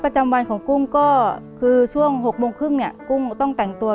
เปลี่ยนเพลงเพลงเก่งของคุณและข้ามผิดได้๑คำ